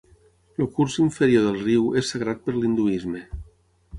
El curs inferior del riu és sagrat per l'Hinduisme.